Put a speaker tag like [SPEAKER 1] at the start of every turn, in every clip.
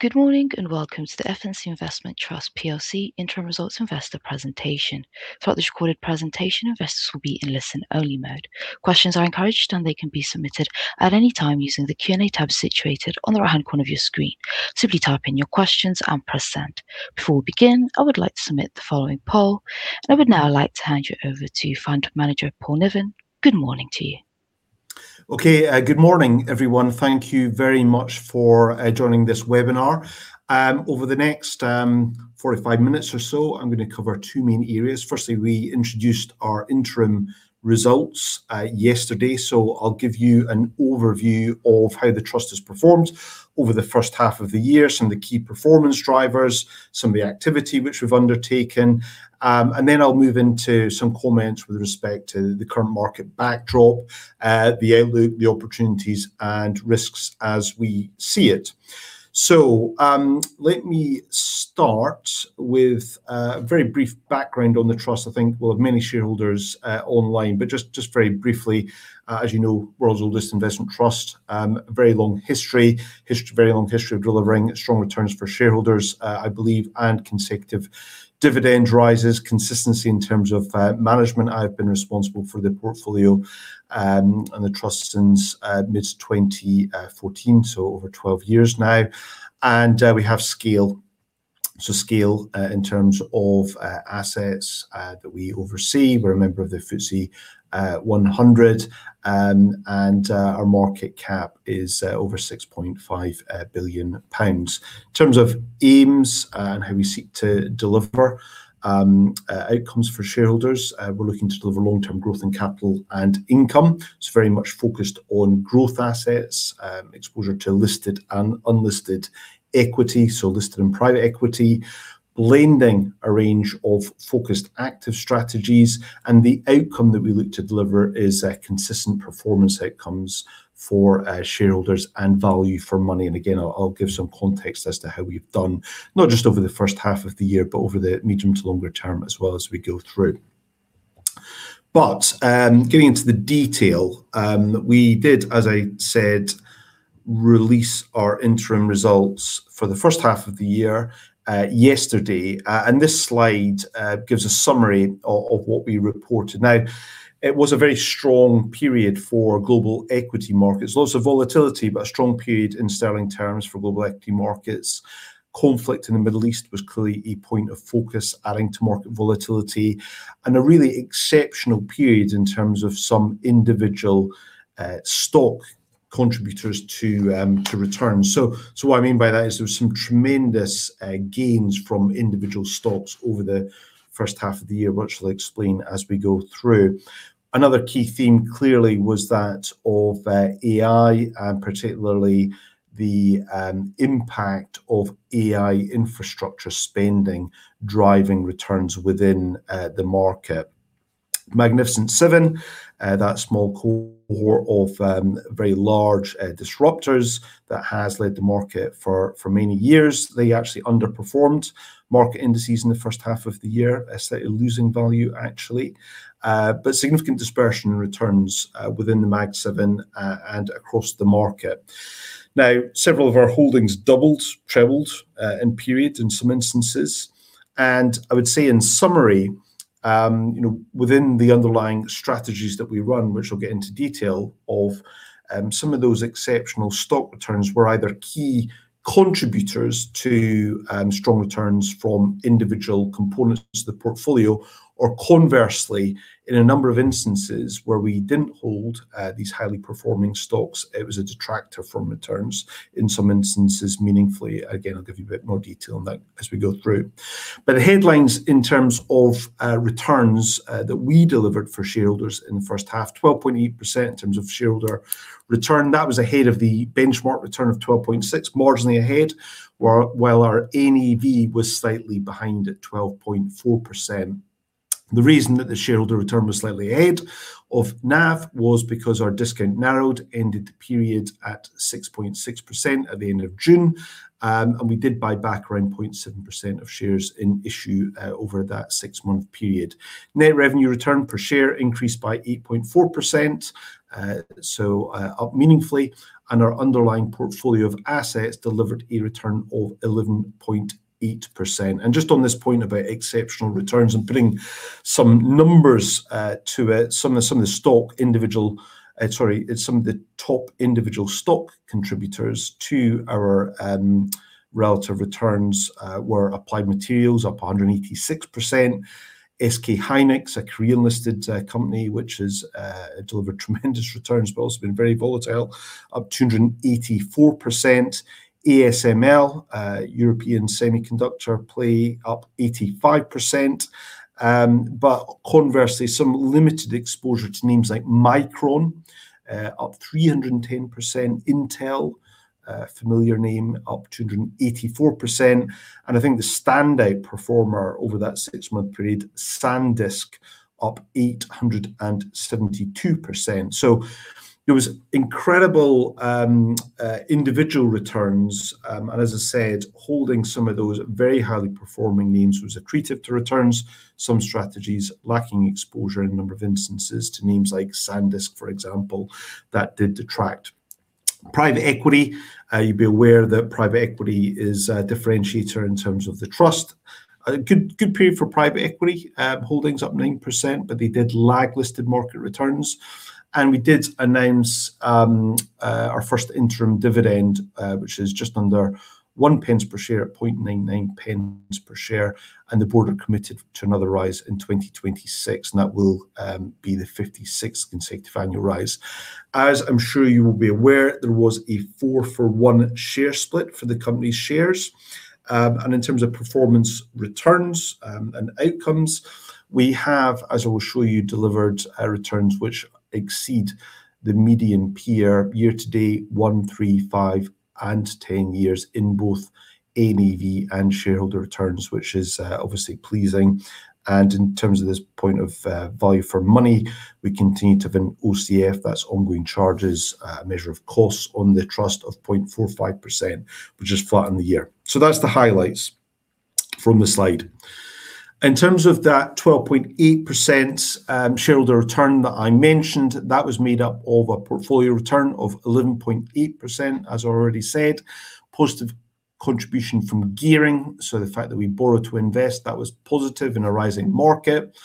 [SPEAKER 1] Good morning, and welcome to the F&C Investment Trust PLC interim results investor presentation. Throughout this recorded presentation, investors will be in listen-only mode. Questions are encouraged, and they can be submitted at any time using the Q&A tab situated on the right-hand corner of your screen. Simply type in your questions and press send. Before we begin, I would like to submit the following poll. I would now like to hand you over to Fund Manager Paul Niven. Good morning to you.
[SPEAKER 2] Okay. Good morning, everyone. Thank you very much for joining this webinar. Over the next 45 minutes or so, I am going to cover two main areas. Firstly, we introduced our interim results yesterday, so I will give you an overview of how the trust has performed over the first half of the year, some of the key performance drivers, some of the activity which we have undertaken. Let me move into some comments with respect to the current market backdrop, the outlook, the opportunities, and risks as we see it. Let me start with a very brief background on the trust. I think we will have many shareholders online, but just very briefly, as you know, world's oldest investment trust, very long history of delivering strong returns for shareholders, I believe, and consecutive dividend rises, consistency in terms of management. I have been responsible for the portfolio and the trust since mid-2014, so over 12 years now. And we have scale. So scale in terms of assets that we oversee. We are a member of the FTSE 100, and our market cap is over 6.5 billion pounds. In terms of aims and how we seek to deliver outcomes for shareholders, we are looking to deliver long-term growth in capital and income. It is very much focused on growth assets, exposure to listed and unlisted equity, so listed and private equity, blending a range of focused, active strategies. The outcome that we look to deliver is consistent performance outcomes for shareholders and value for money. Again, I will give some context as to how we have done, not just over the first half of the year, but over the medium to longer term as well as we go through. Getting into the detail, we did, as I said, release our interim results for the first half of the year yesterday. This slide gives a summary of what we reported. Now, it was a very strong period for global equity markets. Lots of volatility, but a strong period in sterling terms for global equity markets. Conflict in the Middle East was clearly a point of focus, adding to market volatility, and a really exceptional period in terms of some individual stock contributors to returns. So, what I mean by that is there were some tremendous gains from individual stocks over the first half of the year, which I will explain as we go through. Another key theme clearly was that of AI, and particularly the impact of AI infrastructure spending, driving returns within the market. Magnificent Seven, that small core of very large disruptors that has led the market for many years, they actually underperformed market indices in the first half of the year. Slightly losing value, actually. Significant dispersion in returns within the Mag Seven and across the market. Several of our holdings doubled, trebled in periods in some instances, and I would say in summary, within the underlying strategies that we run, which I will get into detail of, some of those exceptional stock returns were either key contributors to strong returns from individual components of the portfolio. Or conversely, in a number of instances where we didn't hold these highly performing stocks, it was a detractor from returns in some instances, meaningfully. Again, I will give you a bit more detail on that as we go through. The headlines in terms of returns that we delivered for shareholders in the first half, 12.8% in terms of shareholder return. That was ahead of the benchmark return of 12.6%, marginally ahead, while our NAV was slightly behind at 12.4%. The reason that the shareholder return was slightly ahead of NAV was because our discount narrowed, ended the period at 6.6% at the end of June. And we did buy back around 0.7% of shares in issue over that six-month period. Net revenue return per share increased by 8.4%, so up meaningfully, and our underlying portfolio of assets delivered a return of 11.8%. And just on this point about exceptional returns and putting some numbers to it, some of the stock individual. Sorry. Some of the top individual stock contributors to our relative returns were Applied Materials up 186%, SK Hynix, a Korean-listed company, which has delivered tremendous returns but also been very volatile, up 284%, ASML, a European semiconductor play, up 85%. But conversely, some limited exposure to names like Micron, up 310%, Intel, a familiar name, up 284%. And I think the standout performer over that six-month period, Sandisk, up 872%. So there was incredible individual returns, and as I said, holding some of those very highly performing names was accretive to returns. Some strategies lacking exposure in a number of instances to names like Sandisk, for example, that did detract. Private equity. You will be aware that private equity is a differentiator in terms of the trust. A good period for private equity, holdings up 9%, but they did lag listed market returns. We did announce our first interim dividend, which is just under 1 per share at 0.99 per share, and the board are committed to another rise in 2026, and that will be the 56th consecutive annual rise. As I am sure you will be aware, there was a four-for-one share split for the company's shares. In terms of performance returns and outcomes, we have, as I will show you, delivered returns which exceed the median peer year to date one, three, five and 10 years in both NAV and shareholder returns, which is obviously pleasing. And in terms of this point of value for money, we continue to have an OCF, that's ongoing charges, a measure of costs on the trust of 0.45%, which is flat on the year. That's the highlights from the slide. In terms of that 12.8% shareholder return that I mentioned, that was made up of a portfolio return of 11.8%, as I already said. Positive contribution from gearing, so the fact that we borrow to invest, that was positive in a rising market.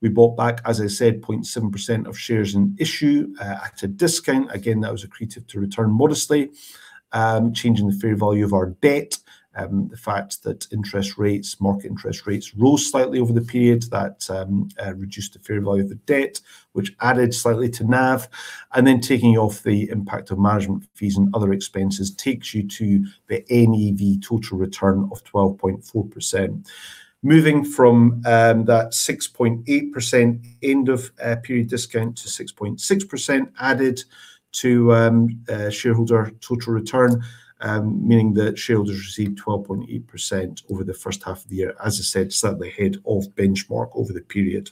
[SPEAKER 2] We bought back, as I said, 0.7% of shares in issue at a discount. Again, that was accretive to return modestly. Changing the fair value of our debt. The fact that interest rates, market interest rates rose slightly over the period, that reduced the fair value of the debt, which added slightly to NAV. Taking off the impact of management fees and other expenses takes you to the NAV total return of 12.4%. Moving from that 6.8% end of period discount to 6.6% added to shareholder total return, meaning that shareholders received 12.8% over the first half of the year. As I said, slightly ahead of benchmark over the period.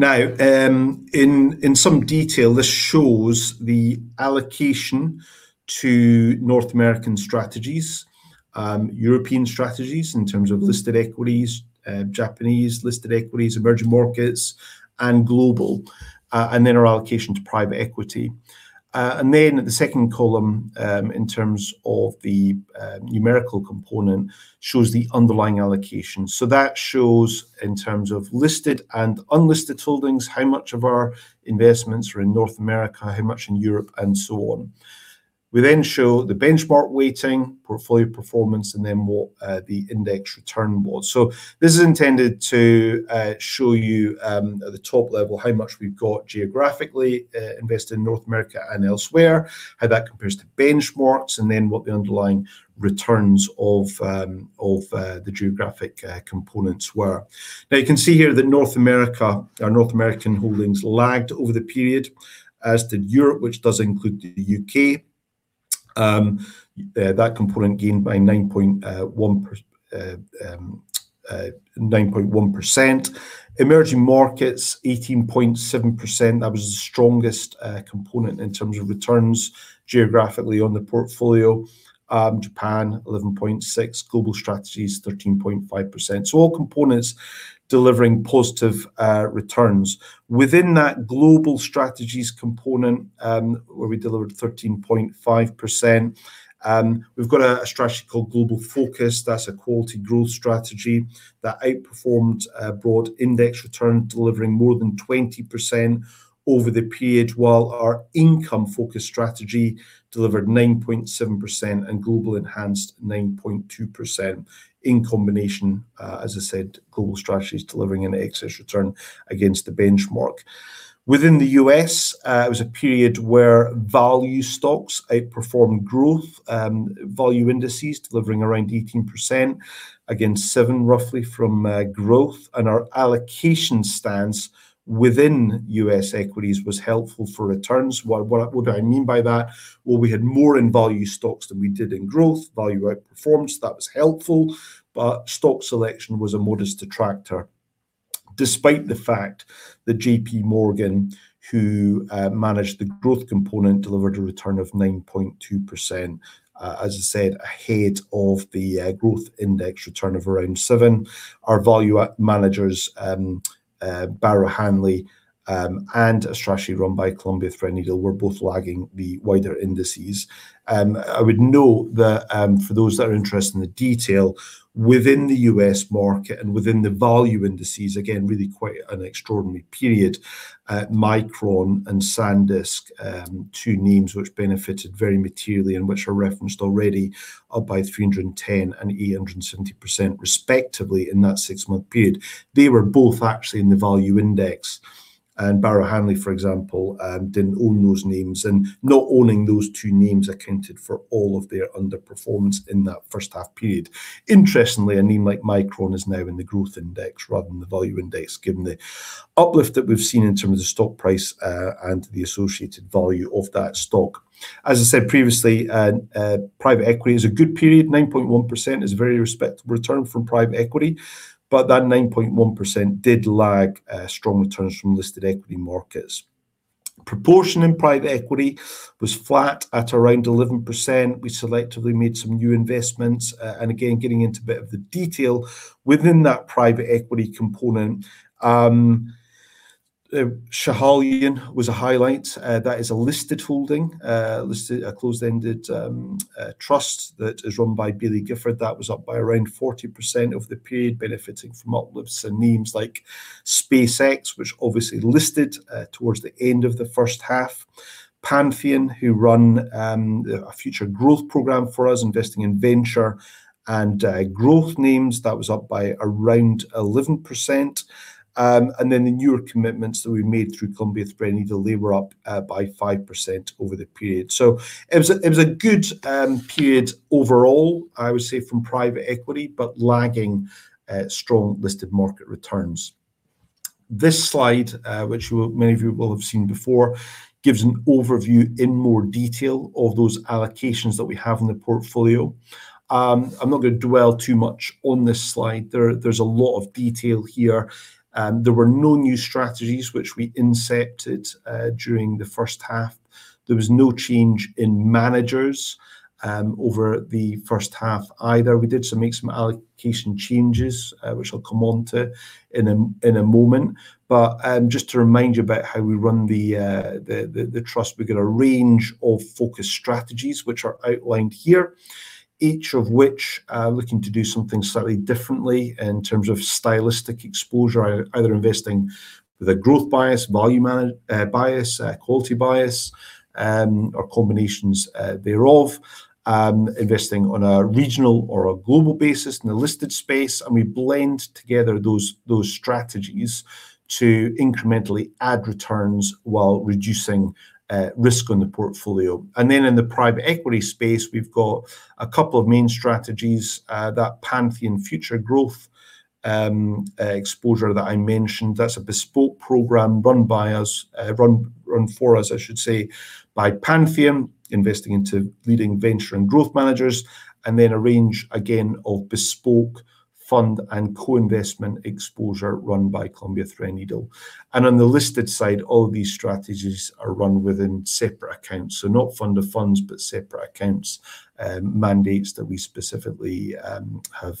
[SPEAKER 2] In some detail, this shows the allocation to North American strategies, European strategies in terms of listed equities, Japanese listed equities, emerging markets and global, and then our allocation to private equity. The second column, in terms of the numerical component, shows the underlying allocation. That shows, in terms of listed and unlisted holdings, how much of our investments are in North America, how much in Europe, and so on. We show the benchmark weighting, portfolio performance, and then what the index return was. This is intended to show you, at the top level, how much we've got geographically invested in North America and elsewhere, how that compares to benchmarks, and then what the underlying returns of the geographic components were. You can see here that North America, our North American holdings lagged over the period, as did Europe, which does include the U.K. That component gained by 9.1%. Emerging markets 18.7%. That was the strongest component in terms of returns geographically on the portfolio. Japan 11.6%, global strategies 13.5%. All components delivering positive returns. Within that global strategies component, where we delivered 13.5%, we've got a strategy called Global Focus. That's a quality growth strategy that outperformed broad index return, delivering more than 20% over the period. While our income focus strategy delivered 9.7% and Global Enhanced 9.2%. In combination, as I said, global strategies delivering an excess return against the benchmark. Within the U.S., it was a period where value stocks outperformed growth. Value indices delivering around 18% against 7%, roughly, from growth. Our allocation stance within U.S. equities was helpful for returns. What do I mean by that? Well, we had more in value stocks than we did in growth. Value outperformed, that was helpful, but stock selection was a modest detractor, despite the fact that JPMorgan, who managed the growth component, delivered a return of 9.2%. As I said, ahead of the growth index return of around 7%. Our value managers, Barrow Hanley, and a strategy run by Columbia Threadneedle were both lagging the wider indices. I would note that for those that are interested in the detail, within the U.S. market and within the value indices, again, really quite an extraordinary period. Micron and Sandisk, two names which benefited very materially and which are referenced already, up by 310% and 870% respectively in that six-month period. They were both actually in the value index. Barrow Hanley, for example, didn't own those names, and not owning those two names accounted for all of their underperformance in that first half period. Interestingly, a name like Micron Technology is now in the growth index rather than the value index, given the uplift that we've seen in terms of stock price, and the associated value of that stock. As I said previously, private equity has a good period. 9.1% is a very respectable return from private equity, but that 9.1% did lag strong returns from listed equity markets. Proportion in private equity was flat at around 11%. We selectively made some new investments. Again, getting into a bit of the detail, within that private equity component, Schiehallion was a highlight. That is a listed holding, a closed-ended trust that is run by Baillie Gifford, that was up by around 40% over the period, benefiting from uplifts in names like SpaceX, which obviously listed towards the end of the first half. Pantheon, who run a future growth program for us, investing in venture and growth names, that was up by around 11%. The newer commitments that we made through Columbia Threadneedle, they were up by 5% over the period. It was a good period overall, I would say from private equity, but lagging strong listed market returns. This slide, which many of you will have seen before, gives an overview in more detail of those allocations that we have in the portfolio. I'm not going to dwell too much on this slide. There's a lot of detail here. There were no new strategies which we incepted during the first half. There was no change in managers over the first half either. We did make some allocation changes, which I'll come onto in a moment. Just to remind you about how we run the trust, we've got a range of focused strategies which are outlined here. Each of which are looking to do something slightly differently in terms of stylistic exposure, either investing with a growth bias, value bias, quality bias, or combinations thereof. Investing on a regional or a global basis in a listed space. We blend together those strategies to incrementally add returns while reducing risk on the portfolio. In the private equity space, we've got a couple of main strategies. That Pantheon future growth exposure that I mentioned, that's a bespoke program run by us, run for us I should say, by Pantheon, investing into leading venture and growth managers. Then a range, again, of bespoke fund and co-investment exposure run by Columbia Threadneedle. On the listed side, all of these strategies are run within separate accounts. So not fund of funds, but separate accounts, mandates that we specifically have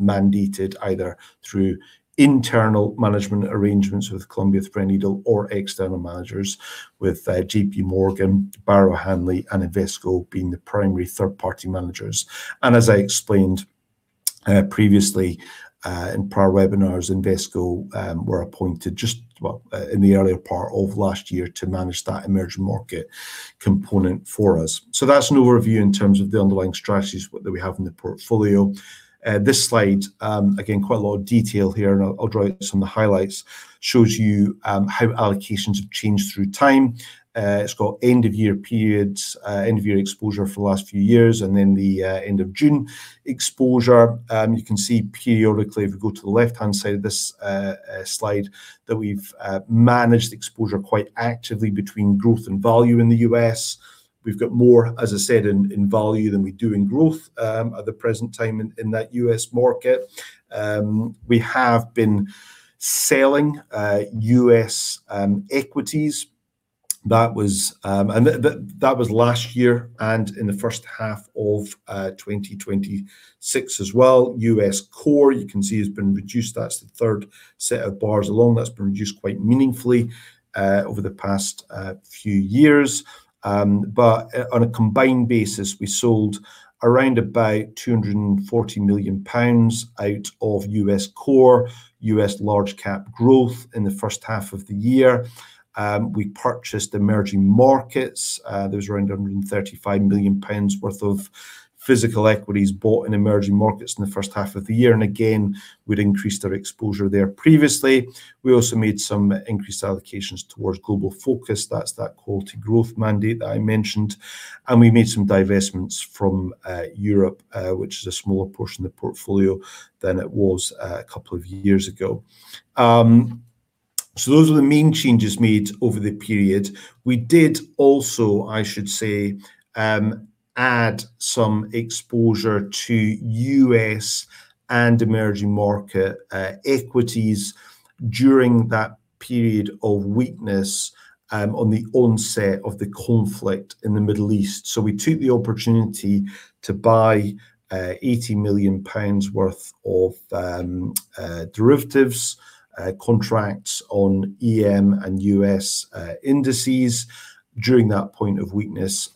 [SPEAKER 2] mandated either through internal management arrangements with Columbia Threadneedle or external managers with JPMorgan, Barrow Hanley and Invesco being the primary third-party managers. As I explained previously in prior webinars, Invesco were appointed just in the earlier part of last year to manage that emerging market component for us. That's an overview in terms of the underlying strategies that we have in the portfolio. This slide, again, quite a lot of detail here. I'll draw out some of the highlights, shows you how allocations have changed through time. It's got end of year periods, end of year exposure for the last few years, and then the end of June exposure. You can see periodically if you go to the left-hand side of this slide, that we've managed exposure quite actively between growth and value in the U.S. We've got more, as I said, in value than we do in growth at the present time in that U.S. market. We have been selling U.S. equities. That was last year and in the first half of 2026 as well. U.S. core, you can see has been reduced. That's the third set of bars along, that's been reduced quite meaningfully, over the past few years. On a combined basis, we sold around about 240 million pounds out of U.S. core, U.S. large cap growth in the first half of the year. We purchased emerging markets. There was around 135 million pounds worth of physical equities bought in emerging markets in the first half of the year. Again, we'd increased our exposure there previously. We also made some increased allocations towards Global Focus. That's that quality growth mandate that I mentioned. We made some divestments from Europe, which is a smaller portion of the portfolio than it was a couple of years ago. Those are the main changes made over the period. We did also, I should say, add some exposure to U.S. and emerging market equities during that period of weakness, on the onset of the conflict in the Middle East. We took the opportunity to buy 80 million pounds worth of derivatives, contracts on EM and U.S. indices during that point of weakness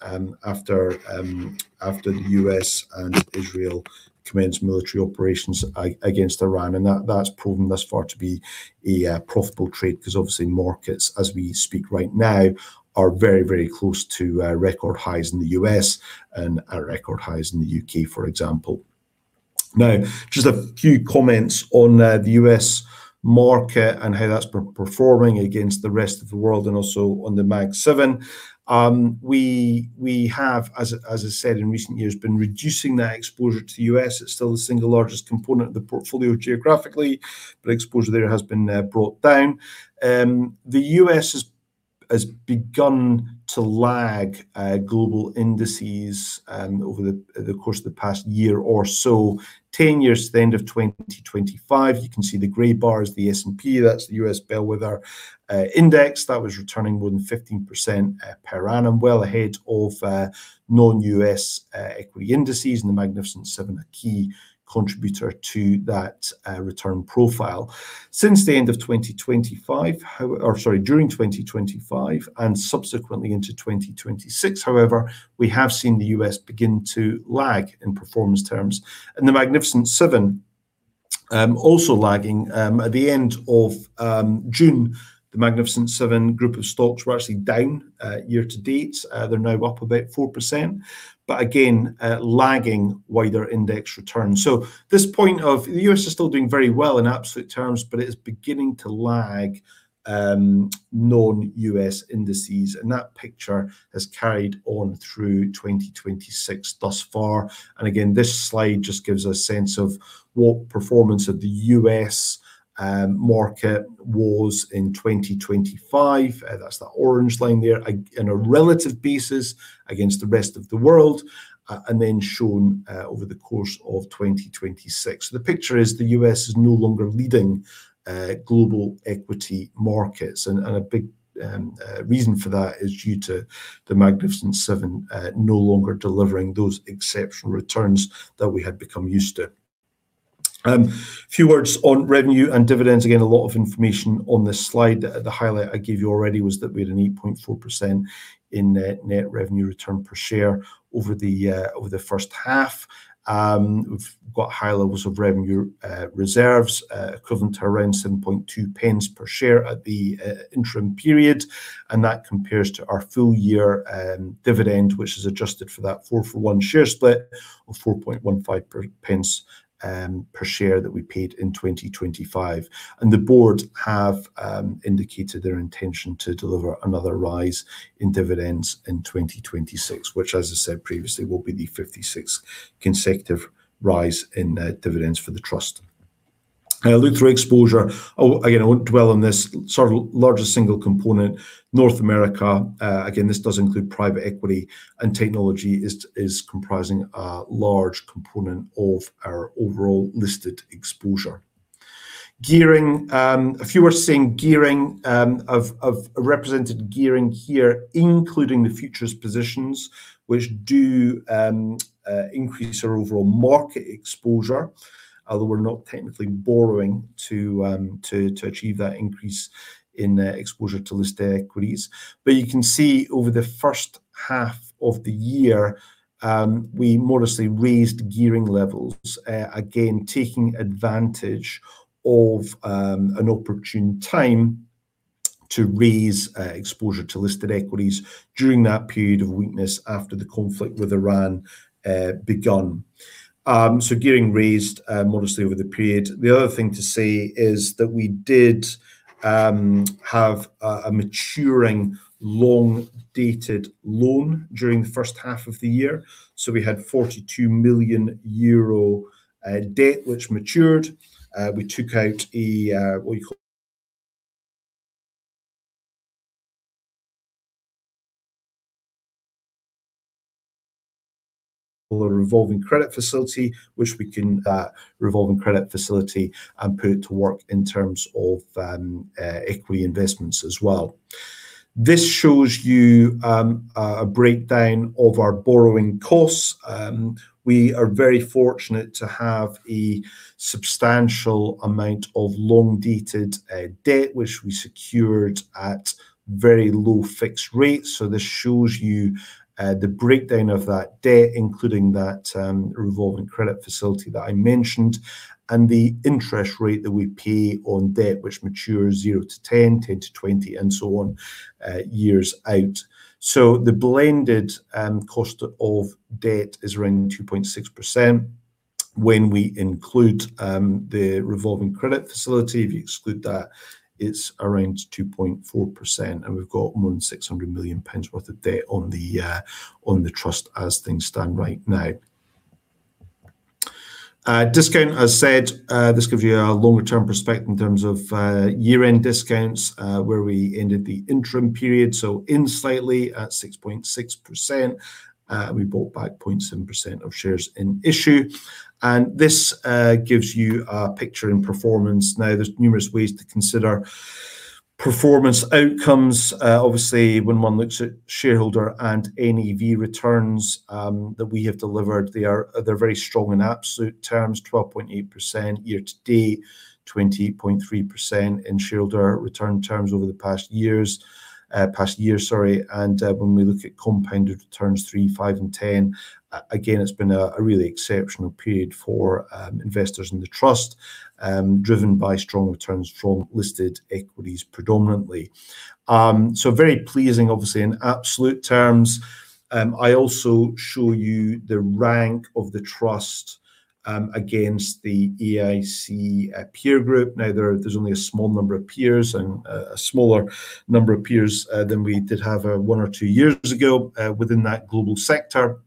[SPEAKER 2] after the U.S. and Israel commenced military operations against Iran. That's proven thus far to be a profitable trade because obviously markets as we speak right now are very, very close to record highs in the U.S. and at record highs in the U.K., for example. Just a few comments on the U.S. market and how that's performing against the rest of the world and also on the Mag Seven. We have, as I said, in recent years, been reducing that exposure to the U.S. It's still the single largest component of the portfolio geographically, but exposure there has been brought down. The U.S. has begun to lag global indices over the course of the past year or so. Ten years to the end of 2025, you can see the gray bar is the S&P, that's the U.S. Bellwether Index that was returning more than 15% per annum, well ahead of non-U.S. equity indices and The Magnificent Seven, a key contributor to that return profile. Since the end of 2025, or sorry, during 2025 and subsequently into 2026, however, we have seen the U.S. begin to lag in performance terms and The Magnificent Seven also lagging. At the end of June, The Magnificent Seven group of stocks were actually down year to date. They're now up about 4%, again, lagging wider index returns. This point of the U.S. is still doing very well in absolute terms, but it is beginning to lag non-U.S. indices and that picture has carried on through 2026 thus far. Again, this slide just gives a sense of what performance of the U.S. market was in 2025. That's the orange line there. In a relative basis against the rest of the world, then shown over the course of 2026. The picture is the U.S. is no longer leading global equity markets and a big reason for that is due to the Magnificent Seven no longer delivering those exceptional returns that we had become used to. A few words on revenue and dividends. Again, a lot of information on this slide. The highlight I gave you already was that we had an 8.4% in net revenue return per share over the first half. We've got high levels of revenue reserves, equivalent to around 0.072 per share at the interim period. That compares to our full year dividend, which is adjusted for that four-for-one share split of 0.0415 per share that we paid in 2025. The board have indicated their intention to deliver another rise in dividends in 2026, which as I said previously, will be the 56th consecutive rise in dividends for the trust. A look through exposure. Again, I won't dwell on this. Largest single component, North America. Again, this does include private equity and technology is comprising a large component of our overall listed exposure. Gearing. A few words represented gearing here, including the futures positions, which do increase our overall market exposure. Although we're not technically borrowing to achieve that increase in exposure to listed equities. You can see over the first half of the year, we modestly raised gearing levels. Again, taking advantage of an opportune time to raise exposure to listed equities during that period of weakness after the conflict with Iran had begun. Gearing raised modestly over the period. The other thing to say is that we did have a maturing long-dated loan during the first half of the year. We had 42 million euro debt, which matured. We took out a revolving credit facility and put it to work in terms of equity investments as well. This shows you a breakdown of our borrowing costs. We are very fortunate to have a substantial amount of long-dated debt, which we secured at very low fixed rates. This shows you the breakdown of that debt, including that revolving credit facility that I mentioned and the interest rate that we pay on debt, which matures 0 to 10 to 20, and so on, years out. The blended cost of debt is around 2.6% when we include the revolving credit facility. If you exclude that, it's around 2.4% and we've got more than 600 million pounds worth of debt on the trust as things stand right now. Discount, as said, this gives you a longer-term perspective in terms of year-end discounts, where we ended the interim period. In slightly at 6.6%, we bought back 0.7% of shares in issue and this gives you a picture in performance. There's numerous ways to consider performance outcomes. Obviously, when one looks at shareholder and NAV returns that we have delivered, they're very strong in absolute terms, 12.8% year to date, 20.3% in shareholder return terms over the past year. Sorry. When we look at compounded returns three, five and 10, again, it's been a really exceptional period for investors in the trust, driven by strong returns from listed equities predominantly. Very pleasing, obviously in absolute terms. I also show you the rank of the trust against the AIC peer group. There's only a small number of peers and a smaller number of peers than we did have one or two years ago within that global sector.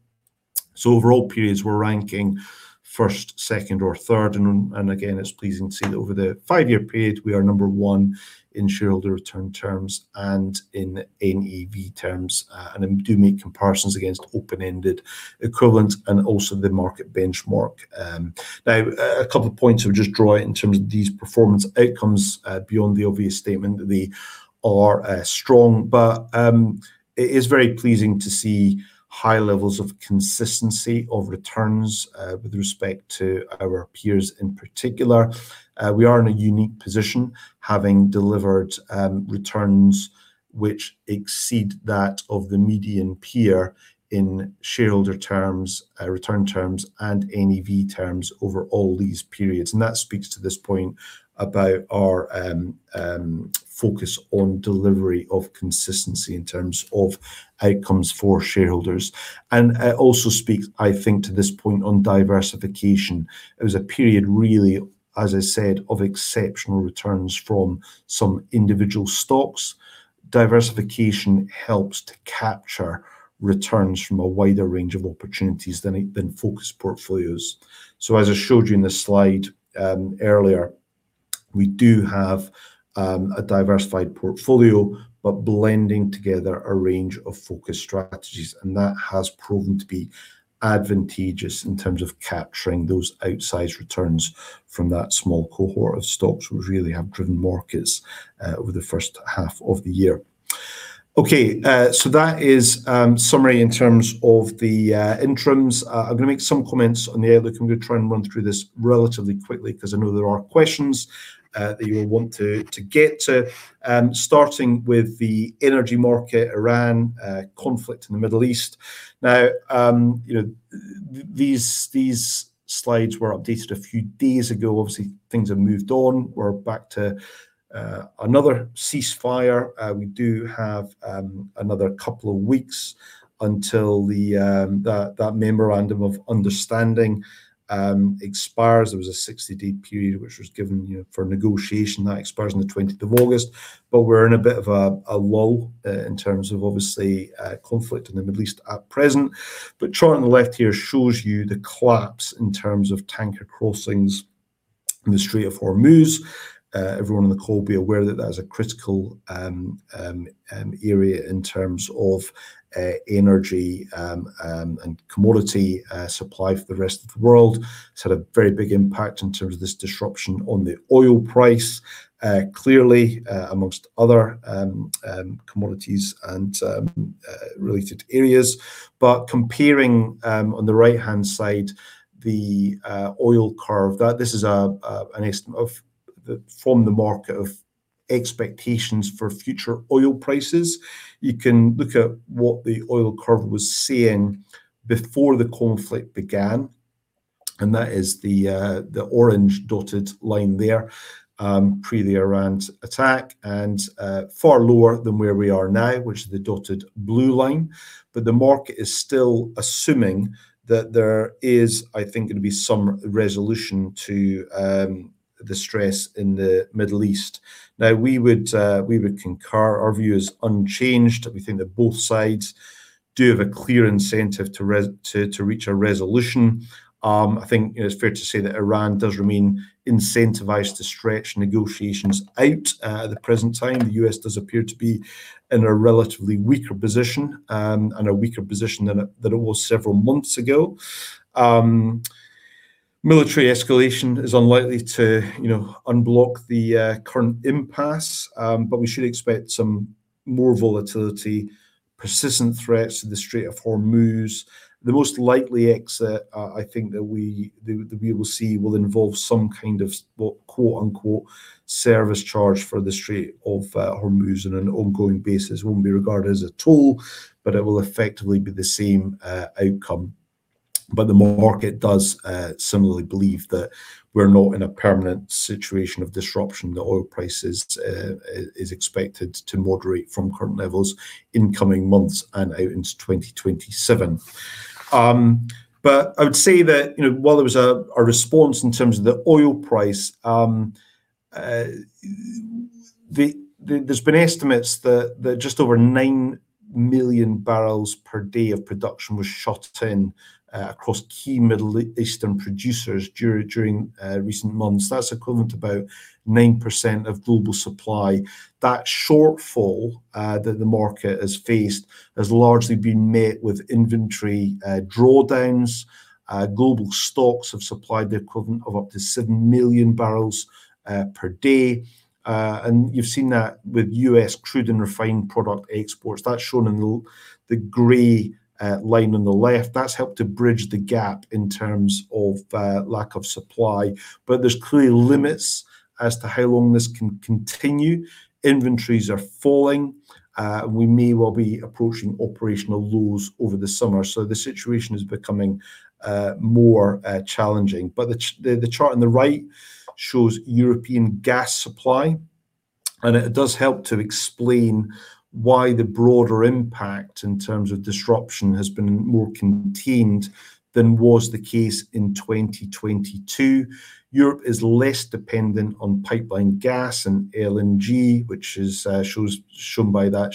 [SPEAKER 2] Overall periods, we're ranking first, second, or third, and again, it's pleasing to see that over the five-year period, we are number one in shareholder return terms and in NAV terms. I do make comparisons against open-ended equivalent and also the market benchmark. A couple of points I would just draw out in terms of these performance outcomes, beyond the obvious statement that they are strong. It is very pleasing to see high levels of consistency of returns with respect to our peers in particular. We are in a unique position, having delivered returns which exceed that of the median peer in shareholder terms, return terms, and NAV terms over all these periods. That speaks to this point about our focus on delivery of consistency in terms of outcomes for shareholders. It also speaks, I think, to this point on diversification. It was a period, really, as I said, of exceptional returns from some individual stocks. Diversification helps to capture returns from a wider range of opportunities than focused portfolios. As I showed you in the slide earlier, we do have a diversified portfolio, but blending together a range of focused strategies. That has proven to be advantageous in terms of capturing those outsized returns from that small cohort of stocks, which really have driven markets over the first half of the year. That is summary in terms of the interims. I'm going to make some comments on the outlook. I'm going to try and run through this relatively quickly because I know there are questions that you will want to get to. Starting with the energy market, Iran, conflict in the Middle East. These slides were updated a few days ago. Obviously, things have moved on. We're back to another ceasefire. We do have another couple of weeks until that memorandum of understanding expires. There was a 60-day period, which was given for negotiation. That expires on the 20th of August. We're in a bit of a lull in terms of, obviously, conflict in the Middle East at present. The chart on the left here shows you the collapse in terms of tanker crossings in the Strait of Hormuz. Everyone on the call will be aware that that is a critical area in terms of energy and commodity supply for the rest of the world. It's had a very big impact in terms of this disruption on the oil price. Clearly, amongst other commodities and related areas. Comparing, on the right-hand side, the oil curve. This is from the market of expectations for future oil prices. You can look at what the oil curve was saying before the conflict began. That is the orange dotted line there, pre the Iran attack. Far lower than where we are now, which is the dotted blue line. The market is still assuming that there is, I think, going to be some resolution to the stress in the Middle East. We would concur. Our view is unchanged. We think that both sides do have a clear incentive to reach a resolution. I think it's fair to say that Iran does remain incentivized to stretch negotiations out. At the present time, the U.S. does appear to be in a relatively weaker position and a weaker position than it was several months ago. Military escalation is unlikely to unblock the current impasse, we should expect some more volatility, persistent threats to the Strait of Hormuz. The most likely exit, I think, that we will see will involve some kind of "service charge" for the Strait of Hormuz on an ongoing basis. It won't be regarded as a toll, it will effectively be the same outcome. The market does similarly believe that we're not in a permanent situation of disruption. The oil price is expected to moderate from current levels in coming months and out into 2027. I would say that, while there was a response in terms of the oil price, there's been estimates that just over 9 million barrels per day of production was shut in across key Middle Eastern producers during recent months. That's equivalent to about 9% of global supply. That shortfall that the market has faced has largely been met with inventory drawdowns. Global stocks have supplied the equivalent of up to 7 million barrels per day. You've seen that with U.S. crude and refined product exports. That's shown in the gray line on the left. That's helped to bridge the gap in terms of lack of supply. There's clearly limits as to how long this can continue. Inventories are falling. We may well be approaching operational lows over the summer. The situation is becoming more challenging. The chart on the right shows European gas supply. It does help to explain why the broader impact in terms of disruption has been more contained than was the case in 2022. Europe is less dependent on pipeline gas and LNG, which is shown by the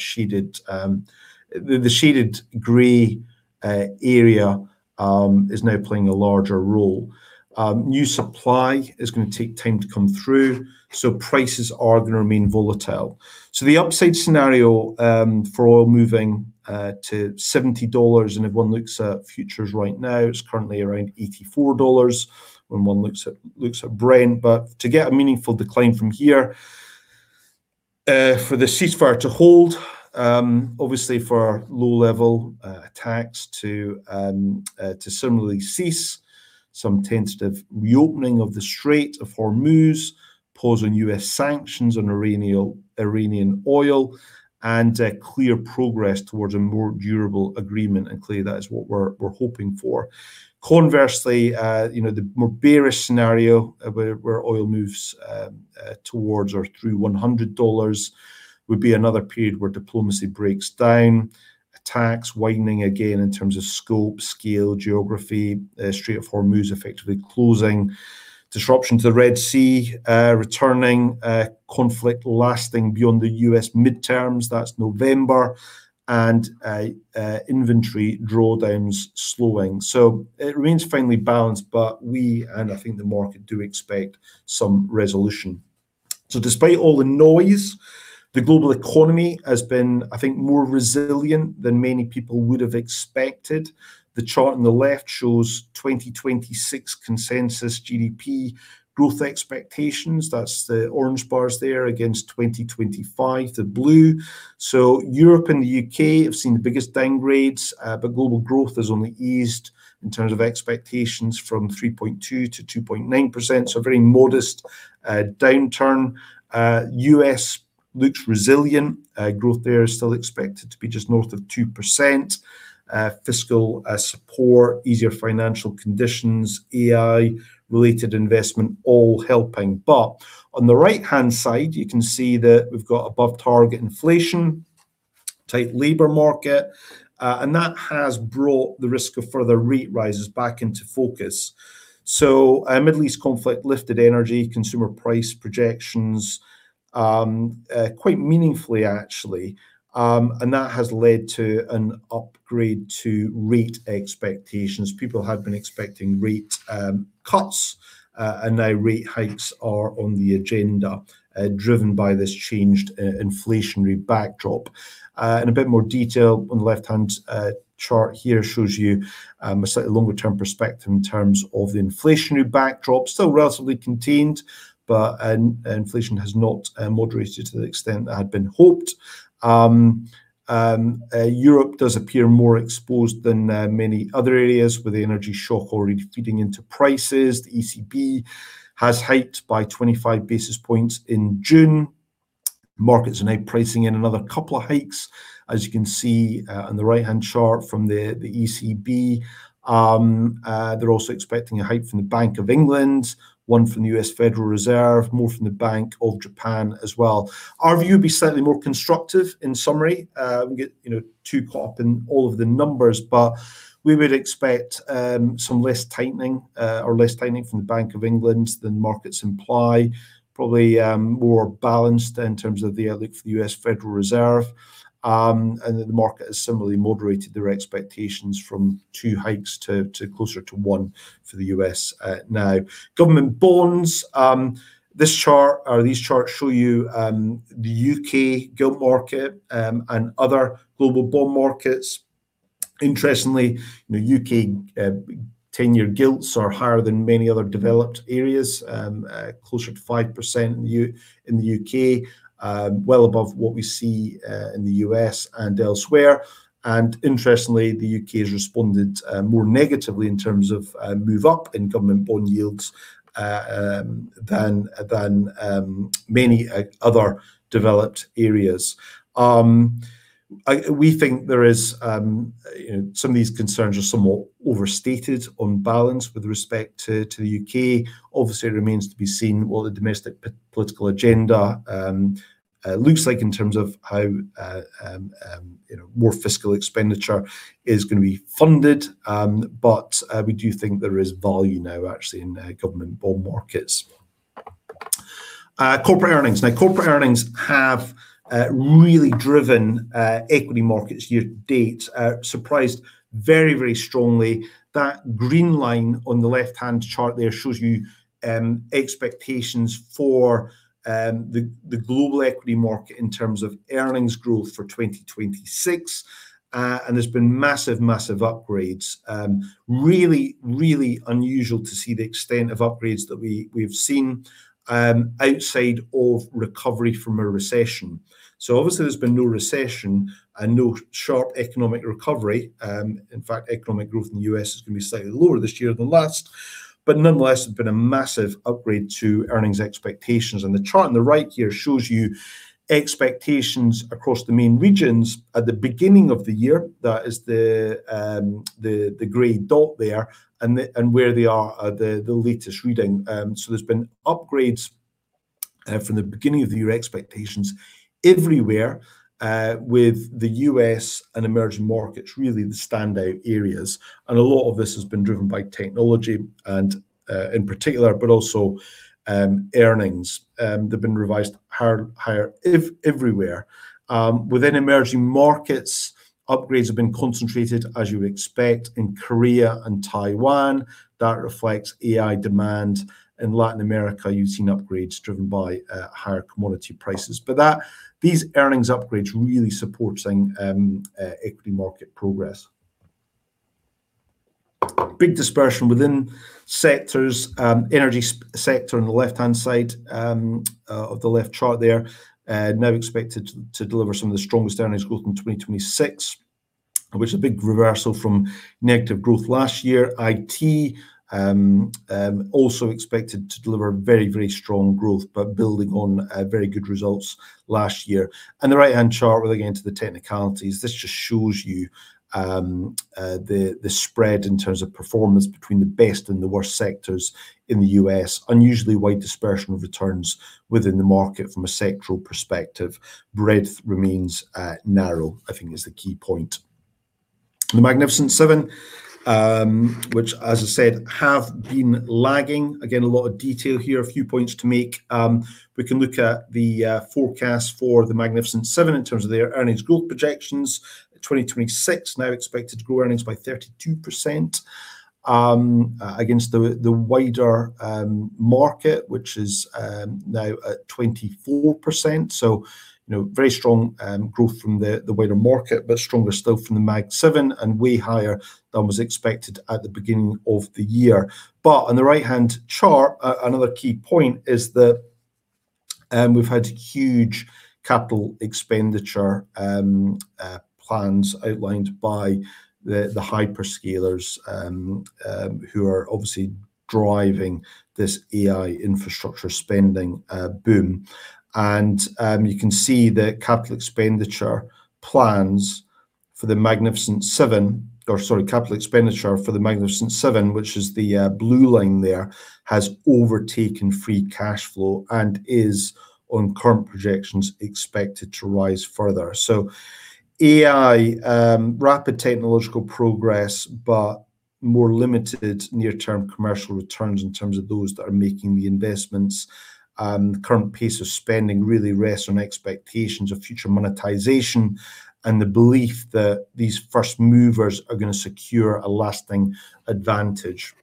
[SPEAKER 2] shaded gray area is now playing a larger role. New supply is going to take time to come through, prices are going to remain volatile. The upside scenario for oil moving to GBP 70. If one looks at futures right now, it's currently around GBP 84, when one looks at Brent. To get a meaningful decline from here, for the ceasefire to hold, obviously for low-level attacks to similarly cease some tentative reopening of the Strait of Hormuz, pause on U.S. sanctions on Iranian oil, clear progress towards a more durable agreement, clearly that is what we're hoping for. Conversely, the more bearish scenario where oil moves towards or through GBP 100, would be another period where diplomacy breaks down, attacks widening again in terms of scope, scale, geography, Strait of Hormuz effectively closing, disruption to the Red Sea, returning conflict lasting beyond the U.S. midterms, that's November. Inventory drawdowns slowing. It remains finely balanced, we, I think the market, do expect some resolution. Despite all the noise, the global economy has been, I think, more resilient than many people would have expected. The chart on the left shows 2026 consensus GDP growth expectations. That is the orange bars there against 2025, the blue. Europe and the U.K. have seen the biggest downgrades. Global growth has only eased in terms of expectations from 3.2% to 2.9%, so a very modest downturn. U.S. looks resilient. Growth there is still expected to be just north of 2%. Fiscal support, easier financial conditions, AI-related investment, all helping. On the right-hand side, you can see that we have got above target inflation, tight labor market, and that has brought the risk of further rate rises back into focus. A Middle East conflict lifted energy, consumer price projections, quite meaningfully actually. That has led to an upgrade to rate expectations. People had been expecting rate cuts, and now rate hikes are on the agenda, driven by this changed inflationary backdrop. In a bit more detail, on the left-hand chart here shows you a slightly longer-term perspective in terms of the inflationary backdrop. Still relatively contained, but inflation has not moderated to the extent that had been hoped. Europe does appear more exposed than many other areas, with the energy shock already feeding into prices. The ECB has hiked by 25 basis points in June. Markets are now pricing in another couple of hikes. As you can see on the right-hand chart from the ECB, they are also expecting a hike from the Bank of England, one from the U.S. Federal Reserve, more from the Bank of Japan as well. Our view would be slightly more constructive in summary. We get too caught up in all of the numbers, but we would expect some less tightening, or less tightening from the Bank of England than markets imply. Probably more balanced in terms of the outlook for the U.S. Federal Reserve. The market has similarly moderated their expectations from two hikes to closer to one for the U.S. now. Government bonds. This chart, or these charts, show you the U.K. gilt market, and other global bond markets. Interestingly, U.K. 10-year gilts are higher than many other developed areas. Closer to 5% in the U.K., well above what we see in the U.S. and elsewhere. Interestingly, the U.K. has responded more negatively in terms of a move up in government bond yields than many other developed areas. We think some of these concerns are somewhat overstated on balance with respect to the U.K. Obviously, it remains to be seen what the domestic political agenda looks like in terms of how more fiscal expenditure is going to be funded. We do think there is value now actually in government bond markets. Corporate earnings. Now corporate earnings have really driven equity markets year-to-date. Surprised very strongly. That green line on the left-hand chart there shows you expectations for the global equity market in terms of earnings growth for 2026. There has been massive upgrades. Really unusual to see the extent of upgrades that we have seen outside of recovery from a recession. Obviously, there has been no recession and no sharp economic recovery. In fact, economic growth in the U.S. is going to be slightly lower this year than last. Nonetheless, there has been a massive upgrade to earnings expectations. The chart on the right here shows you expectations across the main regions at the beginning of the year. That is the gray dot there, and where they are at the latest reading. There's been upgrades from the beginning of the year expectations everywhere. With the U.S. and emerging markets really the standout areas. A lot of this has been driven by technology and in particular, but also earnings. They've been revised higher everywhere. Within emerging markets, upgrades have been concentrated, as you would expect, in Korea and Taiwan. That reflects AI demand. In Latin America, you've seen upgrades driven by higher commodity prices. These earnings upgrades really supporting equity market progress. Big dispersion within sectors. Energy sector in the left-hand side of the left chart there, now expected to deliver some of the strongest earnings growth in 2026, which is a big reversal from negative growth last year. IT, also expected to deliver very strong growth, but building on very good results last year. The right-hand chart, really getting into the technicalities. This just shows you the spread in terms of performance between the best and the worst sectors in the U.S. Unusually wide dispersion of returns within the market from a sectoral perspective. Breadth remains narrow, I think is the key point. The Magnificent Seven, which as I said, have been lagging. A lot of detail here, a few points to make. We can look at the forecast for The Magnificent Seven in terms of their earnings growth projections. 2026 now expected to grow earnings by 32%, against the wider market, which is now at 24%. Very strong growth from the wider market, but stronger still from The Mag Seven and way higher than was expected at the beginning of the year. On the right-hand chart, another key point is that we've had huge capital expenditure plans outlined by the hyperscalers, who are obviously driving this AI infrastructure spending boom. You can see the capital expenditure plans for The Magnificent Seven-- or sorry, capital expenditure for The Magnificent Seven, which is the blue line there, has overtaken free cash flow and is on current projections expected to rise further. AI, rapid technological progress, but more limited near-term commercial returns in terms of those that are making the investments. Current pace of spending really rests on expectations of future monetization and the belief that these first-movers are going to secure a lasting advantage.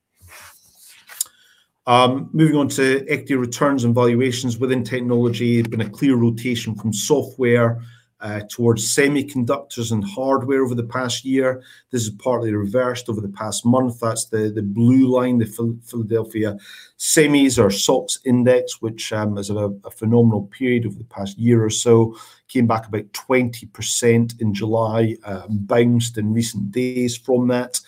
[SPEAKER 2] Moving on to equity returns and valuations within technology. There's been a clear rotation from software towards semiconductors and hardware over the past year. This has partly reversed over the past month. That's the blue line, the Philadelphia SOX Index, which has had a phenomenal period over the past year or so. Came back about 20% in July, bounced in recent days from that.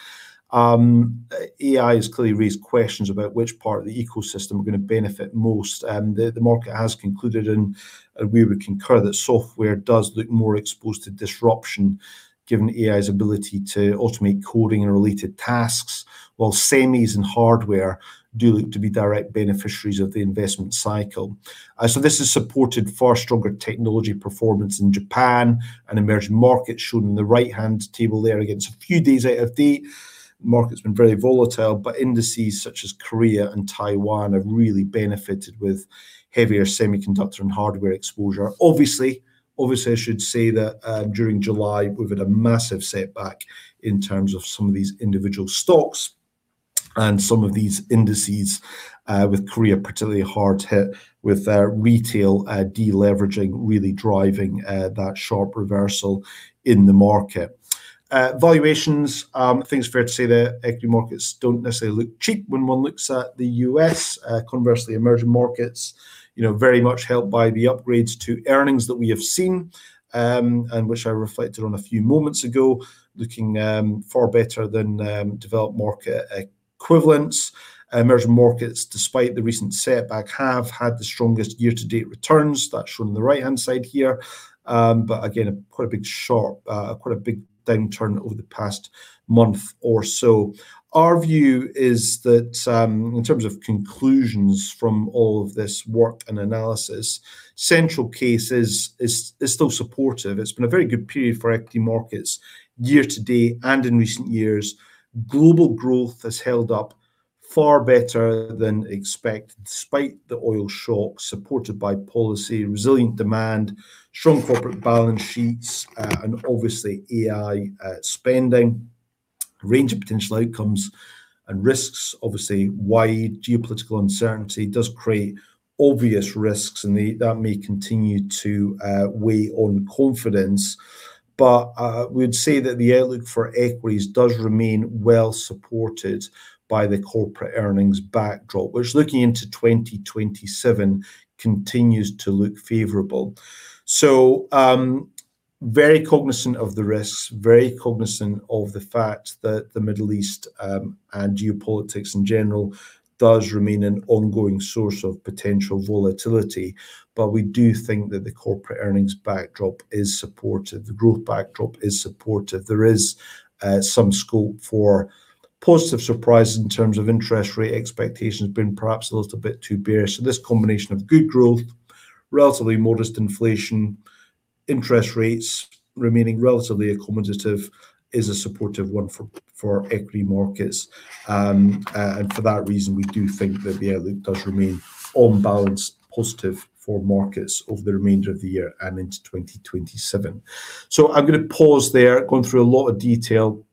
[SPEAKER 2] AI has clearly raised questions about which part of the ecosystem are going to benefit most. The market has concluded and we would concur that software does look more exposed to disruption given AI's ability to automate coding and related tasks, while semis and hardware do look to be direct beneficiaries of the investment cycle. This has supported far stronger technology performance in Japan and emerging markets, shown in the right-hand table there. Again, it's a few days out of date. Market's been very volatile, but indices such as Korea and Taiwan have really benefited with heavier semiconductor and hardware exposure. I should say that during July, we've had a massive setback in terms of some of these individual stocks and some of these indices, with Korea particularly hard hit with retail de-leveraging, really driving that sharp reversal in the market. Valuations. I think it's fair to say the equity markets don't necessarily look cheap when one looks at the U.S. Conversely, emerging markets, very much helped by the upgrades to earnings that we have seen, and which I reflected on a few moments ago, looking far better than developed market equivalents. Emerging markets, despite the recent setback, have had the strongest year-to-date returns. That's shown on the right-hand side here. Again, quite a big downturn over the past month or so. Our view is that, in terms of conclusions from all of this work and analysis, central case is still supportive. It's been a very good period for equity markets year-to-date and in recent years. Global growth has held up far better than expected despite the oil shocks supported by policy, resilient demand, strong corporate balance sheets, and AI spending. Range of potential outcomes and risks. Wide geopolitical uncertainty does create obvious risks, and that may continue to weigh on confidence. We'd say that the outlook for equities does remain well-supported by the corporate earnings backdrop, which looking into 2027, continues to look favorable. Very cognizant of the risks, very cognizant of the fact that the Middle East, and geopolitics in general, does remain an ongoing source of potential volatility. We do think that the corporate earnings backdrop is supported, the growth backdrop is supported. There is some scope for positive surprises in terms of interest rate expectations being perhaps a little bit too bare. This combination of good growth, relatively modest inflation, interest rates remaining relatively accommodative is a supportive one for equity markets. For that reason, we do think that the outlook does remain on balance positive for markets over the remainder of the year and into 2027. I'm going to pause there. Gone through a lot of detail.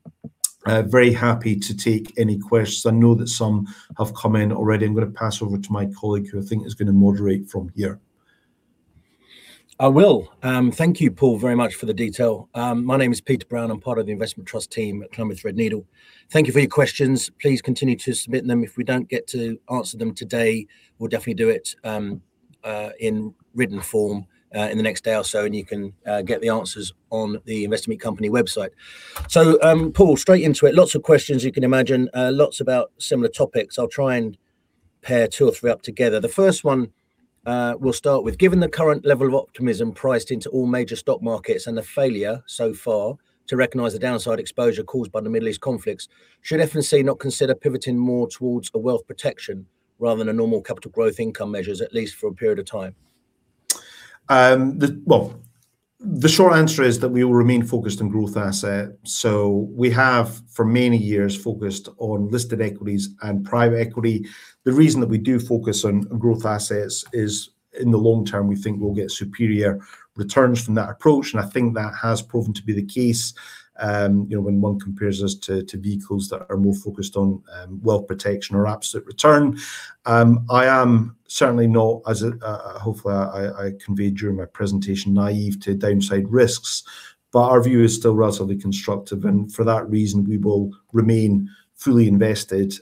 [SPEAKER 2] Very happy to take any questions. I know that some have come in already. I'm going to pass over to my colleague, who I think is going to moderate from here.
[SPEAKER 3] I will. Thank you, Paul, very much for the detail. My name is Pete Brown. I am part of the investment trust team at Columbia Threadneedle. Thank you for your questions. Please continue to submit them. If we don't get to answer them today, we will definitely do it in written form in the next day or so, and you can get the answers on the Investment Company website. Paul, straight into it. Lots of questions you can imagine, lots about similar topics. I will try and pair two or three up together. The first one we will start with. Given the current level of optimism priced into all major stock markets and the failure so far to recognize the downside exposure caused by the Middle East conflicts, should F&C not consider pivoting more towards a wealth protection rather than a normal capital growth income measures, at least for a period of time?
[SPEAKER 2] The short answer is that we will remain focused on growth assets. We have, for many years, focused on listed equities and private equity. The reason that we do focus on growth assets is, in the long term, we think we will get superior returns from that approach, and I think that has proven to be the case when one compares us to vehicles that are more focused on wealth protection or absolute return. I am certainly not, hopefully, I conveyed during my presentation, naive to downside risks. Our view is still relatively constructive and for that reason, we will remain fully invested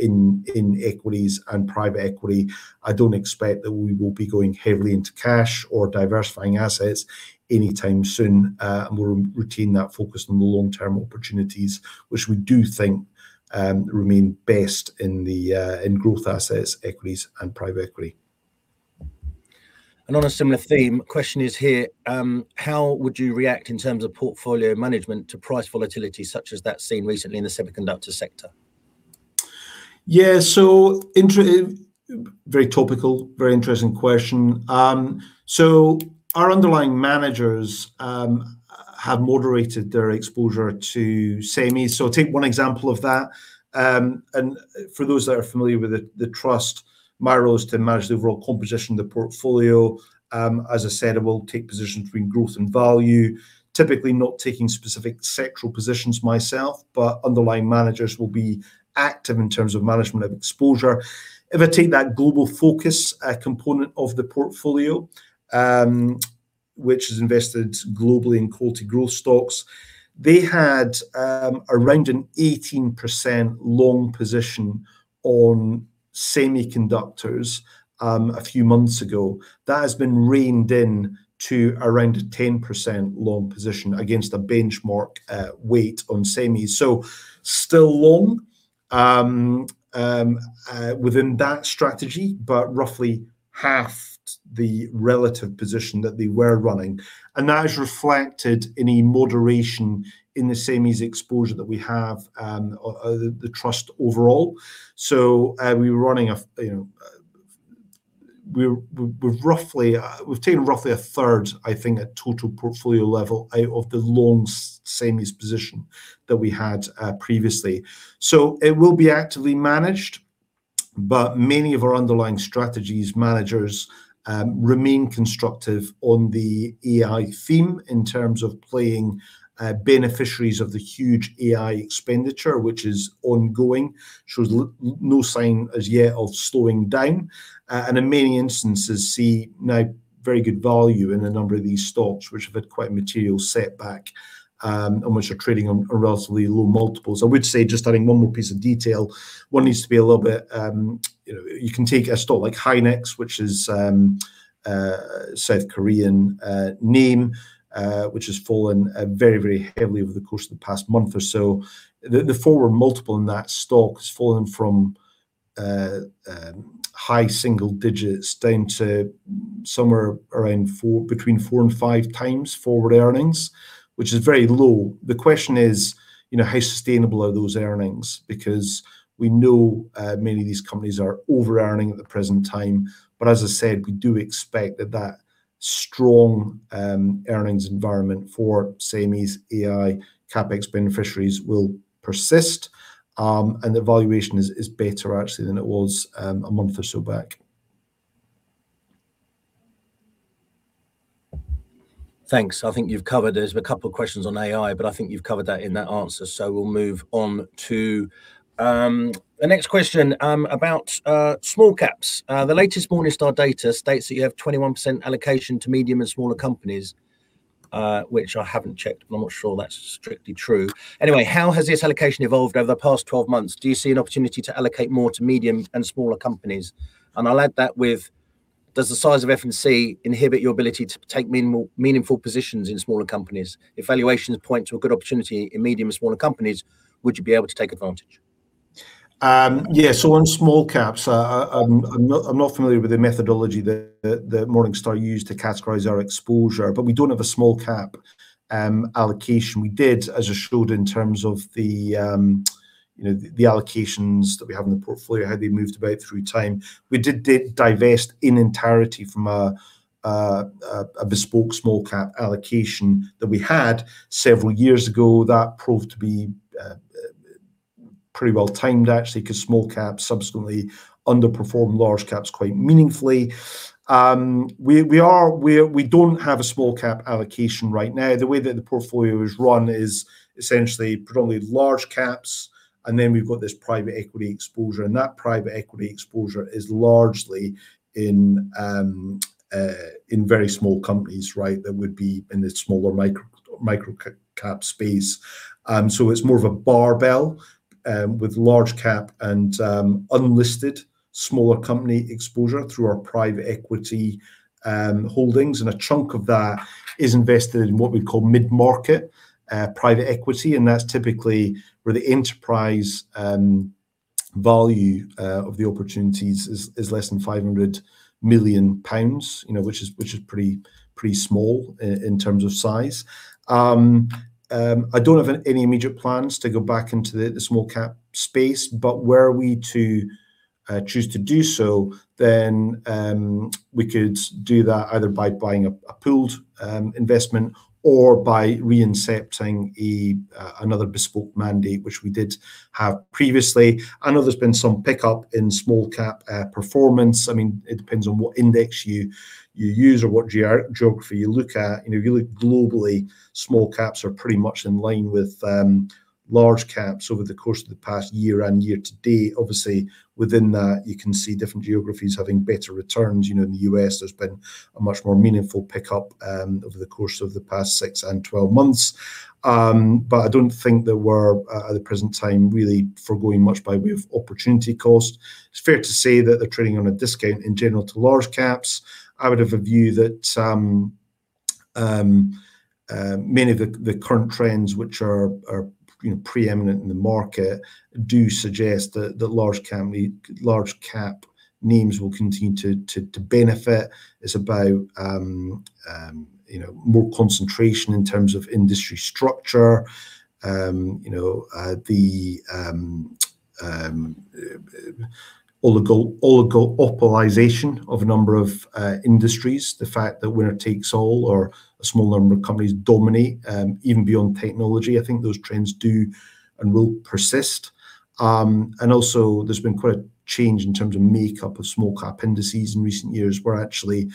[SPEAKER 2] in equities and private equity. I don't expect that we will be going heavily into cash or diversifying assets anytime soon. We will retain that focus on the long-term opportunities, which we do think remain best in growth assets, equities, and private equity.
[SPEAKER 3] On a similar theme, question is here, how would you react in terms of portfolio management to price volatility such as that seen recently in the semiconductor sector?
[SPEAKER 2] Yeah. Very topical, very interesting question. Our underlying managers have moderated their exposure to semis. Take one example of that. For those that are familiar with the trust, my role is to manage the overall composition of the portfolio. As I said, it will take positions between growth and value, typically not taking specific sectoral positions myself, but underlying managers will be active in terms of management of exposure. If I take that global focus component of the portfolio, which is invested globally in quality growth stocks, they had around an 18% long position on semiconductors a few months ago. That has been reined in to around a 10% long position against a benchmark weight on semis. Still long within that strategy, but roughly half the relative position that they were running. That is reflected in a moderation in the semis exposure that we have, the trust overall. We've taken roughly a third, I think, at total portfolio level, out of the long semis position that we had previously. It will be actively managed, but many of our underlying strategies managers remain constructive on the AI theme in terms of playing beneficiaries of the huge AI expenditure, which is ongoing. Shows no sign as yet of slowing down. In many instances, see now very good value in a number of these stocks, which have had quite a material setback, and which are trading on a relatively low multiple. I would say, just adding one more piece of detail, you can take a stock like Hynix, which is South Korean name, which has fallen very heavily over the course of the past month or so. The forward multiple in that stock has fallen from high single digits down to somewhere between four and five times forward earnings, which is very low. The question is, how sustainable are those earnings? Because we know many of these companies are over-earning at the present time. As I said, we do expect that that strong earnings environment for semis AI CapEx beneficiaries will persist, and the valuation is better actually than it was a month or so back.
[SPEAKER 3] Thanks. There's a couple questions on AI, but I think you've covered that in that answer. We'll move on to the next question about small caps. The latest Morningstar data states that you have 21% allocation to medium and smaller companies, which I haven't checked. I'm not sure that's strictly true. Anyway, how has this allocation evolved over the past 12 months? Do you see an opportunity to allocate more to medium and smaller companies? I'll add that with, does the size of F&C inhibit your ability to take meaningful positions in smaller companies? If valuations point to a good opportunity in medium and smaller companies, would you be able to take advantage?
[SPEAKER 2] On small caps, I'm not familiar with the methodology that Morningstar used to categorize our exposure, but we don't have a small cap allocation. We did, as I showed in terms of the allocations that we have in the portfolio, how they moved about through time. We did divest in entirety from a bespoke small cap allocation that we had several years ago. That proved to be pretty well timed, actually, because small cap subsequently underperformed large caps quite meaningfully. We don't have a small cap allocation right now. The way that the portfolio is run is essentially predominantly large caps, then we've got this private equity exposure. That private equity exposure is largely in very small companies, that would be in the smaller micro-cap space. It's more of a barbell with large cap and unlisted smaller company exposure through our private equity holdings. A chunk of that is invested in what we'd call mid-market private equity, and that's typically where the enterprise value of the opportunities is less than 500 million pounds, which is pretty small in terms of size. I don't have any immediate plans to go back into the small cap space. Were we to choose to do so, we could do that either by buying a pooled investment or by re-incepting another bespoke mandate, which we did have previously. I know there's been some pickup in small cap performance. It depends on what index you use or what geography you look at. If you look globally, small caps are pretty much in line with large caps over the course of the past year and year to date. Obviously, within that, you can see different geographies having better returns. In the U.S., there's been a much more meaningful pickup over the course of the past six and 12 months. I don't think that we're, at the present time, really foregoing much by way of opportunity cost. It's fair to say that they're trading on a discount in general to large caps. I would have a view that many of the current trends which are pre-eminent in the market do suggest that large cap names will continue to benefit. It's about more concentration in terms of industry structure. The oligopolization of a number of industries, the fact that winner takes all or a small number of companies dominate, even beyond technology, I think those trends do and will persist. Also, there's been quite a change in terms of makeup of small cap indices in recent years, where actually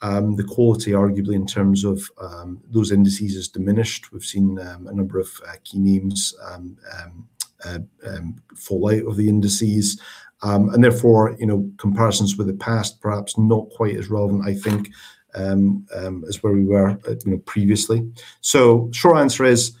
[SPEAKER 2] the quality, arguably, in terms of those indices has diminished. We've seen a number of key names fall out of the indices. Therefore, comparisons with the past, perhaps not quite as relevant, I think, as where we were previously. Short answer is,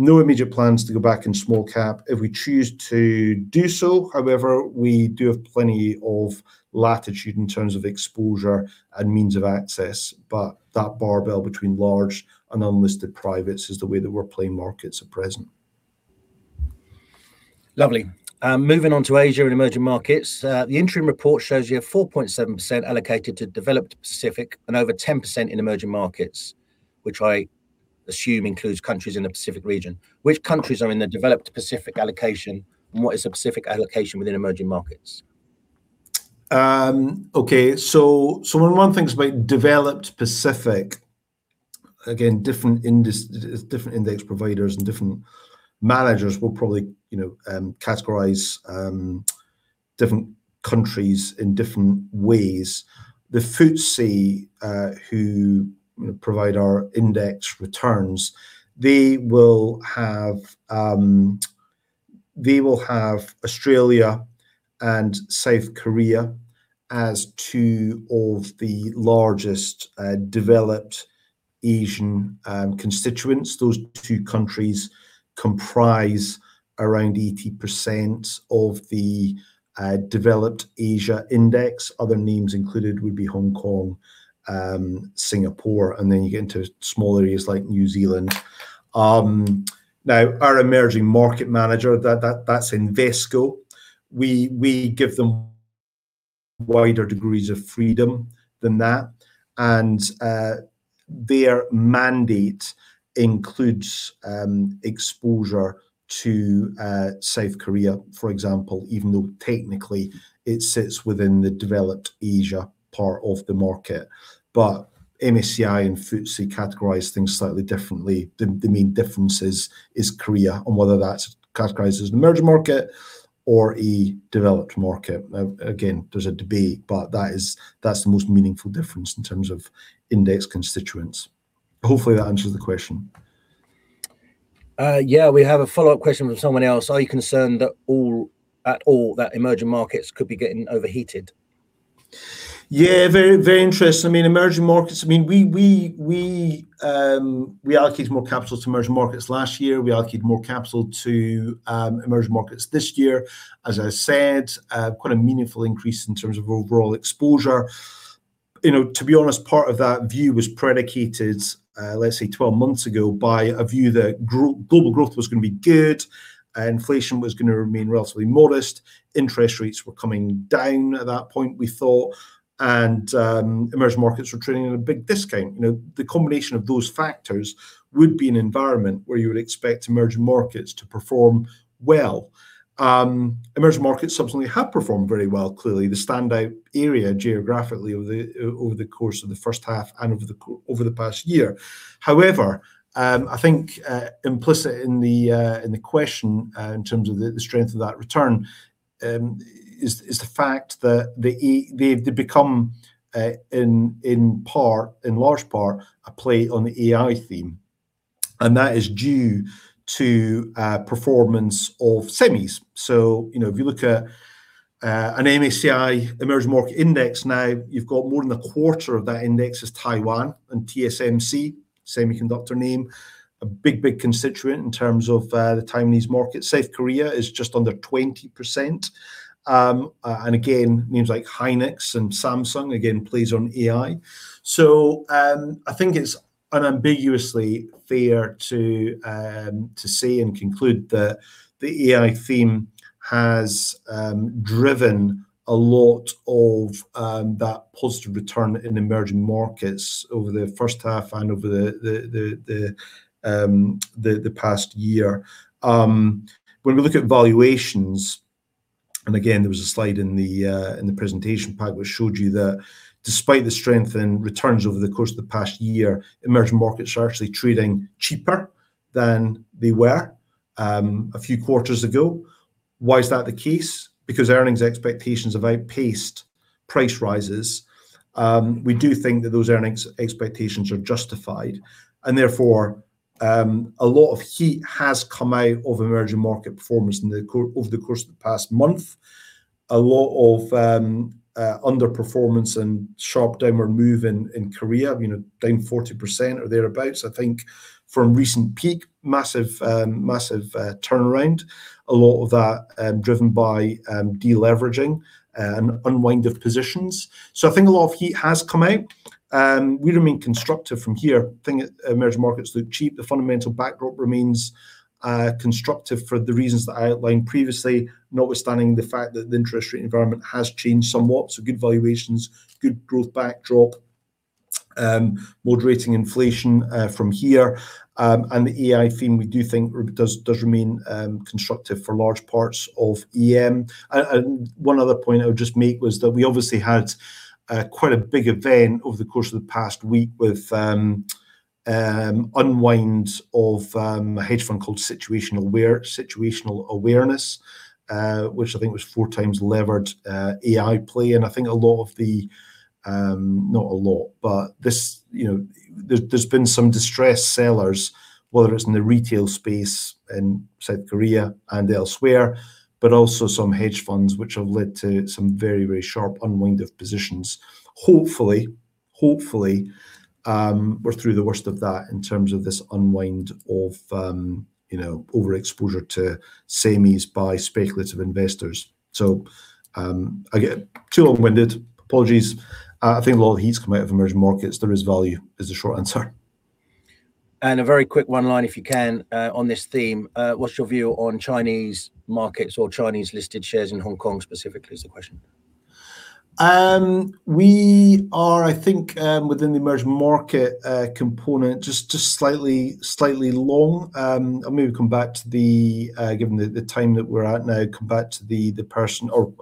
[SPEAKER 2] no immediate plans to go back in small cap. If we choose to do so, however, we do have plenty of latitude in terms of exposure and means of access. That barbell between large and unlisted privates is the way that we're playing markets at present.
[SPEAKER 3] Lovely. Moving on to Asia and emerging markets. The interim report shows you have 4.7% allocated to developed Pacific and over 10% in emerging markets, which I assume includes countries in the Pacific region. Which countries are in the developed Pacific allocation, and what is the Pacific allocation within emerging markets?
[SPEAKER 2] Okay. One of the things about developed Pacific, again, different index providers and different managers will probably categorize different countries in different ways. The FTSE, who provide our index returns, they will have Australia and South Korea as two of the largest developed Asian constituents. Those two countries comprise around 80% of the developed Asia index. Other names included would be Hong Kong, Singapore, and then you get into smaller areas like New Zealand. Our emerging market manager, that's Invesco, we give them wider degrees of freedom than that, and their mandate includes exposure to South Korea, for example, even though technically it sits within the developed Asia part of the market. MSCI and FTSE categorize things slightly differently. The main difference is Korea, and whether that's categorized as an emerging market or a developed market. Again, there's a debate, that's the most meaningful difference in terms of index constituents. Hopefully that answers the question.
[SPEAKER 3] Yeah, we have a follow-up question from someone else. Are you concerned at all that emerging markets could be getting overheated?
[SPEAKER 2] Very interesting. Emerging markets, we allocated more capital to emerging markets last year. We allocated more capital to emerging markets this year. As I said, quite a meaningful increase in terms of overall exposure. To be honest, part of that view was predicated, let's say 12 months ago, by a view that global growth was going to be good and inflation was going to remain relatively modest. Interest rates were coming down at that point, we thought, and emerging markets were trading at a big discount. The combination of those factors would be an environment where you would expect emerging markets to perform well. Emerging markets subsequently have performed very well, clearly, the standout area geographically over the course of the first half and over the past year. Implicit in the question in terms of the strength of that return is the fact that they've become, in large part, a play on the AI theme, and that is due to performance of semis. If you look at an MSCI Emerging Markets Index now, you've got more than a quarter of that index is Taiwan and TSMC, semiconductor name, a big, big constituent in terms of the Taiwanese market. South Korea is just under 20%. Again, names like Hynix and Samsung, again, plays on AI. I think it's unambiguously fair to say and conclude that the AI theme has driven a lot of that positive return in emerging markets over the first half and over the past year. When we look at valuations, again, there was a slide in the presentation pack which showed you that despite the strength in returns over the course of the past year, emerging markets are actually trading cheaper than they were a few quarters ago. Why is that the case? Because earnings expectations have outpaced price rises. We do think that those earnings expectations are justified, and therefore, a lot of heat has come out of emerging market performance over the course of the past month. A lot of underperformance and sharp downward move in Korea, down 40% or thereabouts, I think from recent peak. Massive turnaround, a lot of that driven by de-leveraging, unwind of positions. I think a lot of heat has come out. We remain constructive from here. I think emerging markets look cheap. The fundamental backdrop remains constructive for the reasons that I outlined previously, notwithstanding the fact that the interest rate environment has changed somewhat. Good valuations, good growth backdrop, moderating inflation from here. The AI theme, we do think does remain constructive for large parts of EM. One other point I would just make was that we obviously had quite a big event over the course of the past week with unwind of a hedge fund called Situational Awareness, which I think was four times levered AI play. I think a lot of the not a lot, but there's been some distressed sellers, whether it's in the retail space in South Korea and elsewhere, but also some hedge funds, which have led to some very, very sharp unwind of positions. Hopefully, we're through the worst of that in terms of this unwind of overexposure to semis by speculative investors. Again, too long-winded. Apologies. I think a lot of heat's come out of emerging markets. There is value, is the short answer.
[SPEAKER 3] A very quick one-line, if you can, on this theme. What's your view on Chinese markets or Chinese-listed shares in Hong Kong specifically, is the question.
[SPEAKER 2] We are, I think, within the emerging market component, just slightly long. I maybe, given the time that we're at now, come back to the person or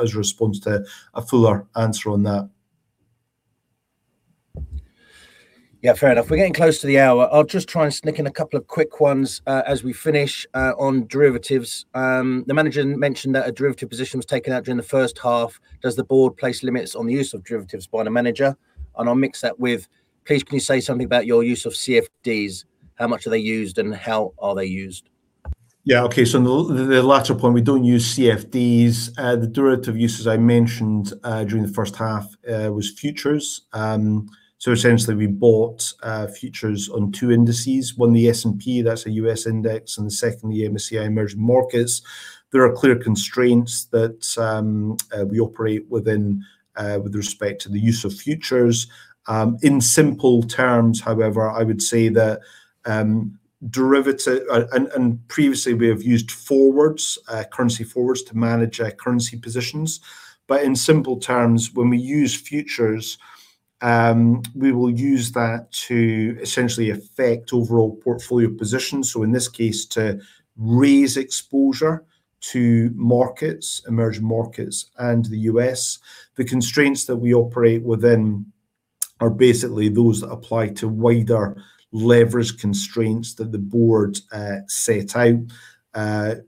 [SPEAKER 2] as a response to a fuller answer on that.
[SPEAKER 3] Yeah. Fair enough. We're getting close to the hour. I'll just try and sneak in a couple of quick ones as we finish on derivatives. The manager mentioned that a derivative position was taken out during the first half. Does the board place limits on the use of derivatives by the manager? I'll mix that with, please can you say something about your use of CFDs? How much are they used and how are they used?
[SPEAKER 2] Okay, the latter point, we don't use CFDs. The derivative uses I mentioned during the first half was futures. Essentially, we bought futures on two indices. One, the S&P, that's a U.S. index, and the second, the MSCI Emerging Markets. There are clear constraints that we operate within with respect to the use of futures. In simple terms, however, I would say that derivative and previously, we have used forwards, currency forwards, to manage our currency positions. In simple terms, when we use futures, we will use that to essentially affect overall portfolio positions. In this case, to raise exposure to markets, emerging markets, and the U.S. The constraints that we operate within are basically those that apply to wider leverage constraints that the board set out,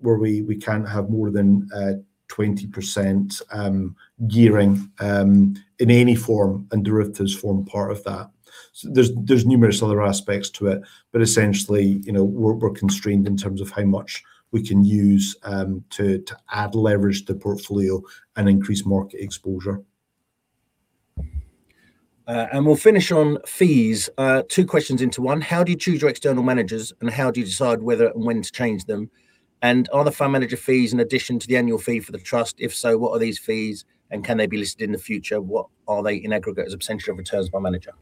[SPEAKER 2] where we can't have more than 20% gearing in any form, and derivatives form part of that. There's numerous other aspects to it, but essentially, we're constrained in terms of how much we can use to add leverage to the portfolio and increase market exposure.
[SPEAKER 3] We'll finish on fees. Two questions into one. How do you choose your external managers, and how do you decide whether and when to change them? Are the fund manager fees in addition to the annual fee for the trust? If so, what are these fees and can they be listed in the future? What are they in aggregate as a percentage of returns by manager?